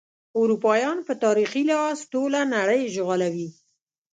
اروپایان په تاریخي لحاظ ټوله نړۍ اشغالوي.